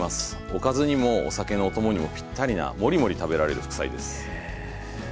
おかずにもお酒のお供にもピッタリなモリモリ食べられる副菜です。